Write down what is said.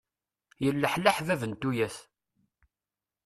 Yelleḥleḥ bab n tuyat.